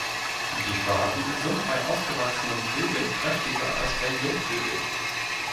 Die Farben sind bei ausgewachsenen Vögeln kräftiger als bei Jungvögeln.